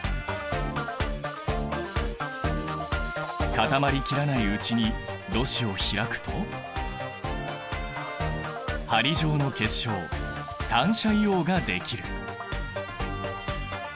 固まりきらないうちにろ紙を開くと針状の結晶単斜硫黄ができる。